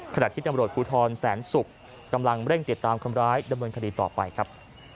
ขณะที่ตำรวจภูทรแสนศุกร์กำลังเร่งติดตามคนร้ายดำเนินคดีต่อไปครับ